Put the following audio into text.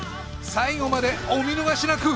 最後までお見逃しなく！